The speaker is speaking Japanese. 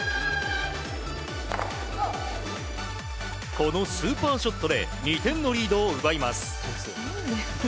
このスーパーショットで２点のリードを奪います。